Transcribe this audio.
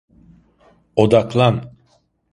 Odaklan.